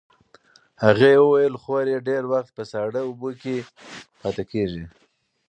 هغې وویل خور یې ډېر وخت په ساړه اوبو کې پاتې کېږي.